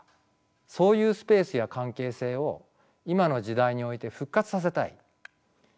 そういうスペースや関係性を今の時代において復活させたい新たにつくり出したい。